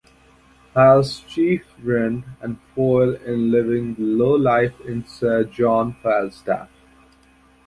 Hal's chief friend and foil in living the low life is Sir John Falstaff.